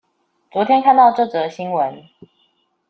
昨天看到這則新聞